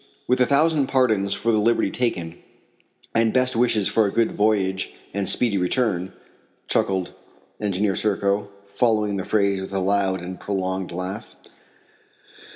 "With a thousand pardons for the liberty taken, and best wishes for a good voyage and speedy return," chuckled Engineer Serko, following the phrase with a loud and prolonged laugh.